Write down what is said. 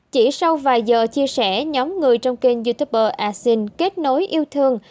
chỉ sau vài giờ chia sẻ nhóm người trong kênh youtuber acil kết nối yêu thương